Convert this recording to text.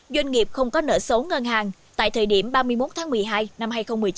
doanh nghiệp không có nợ xấu ngân hàng tại thời điểm ba mươi một tháng một mươi hai năm hai nghìn một mươi chín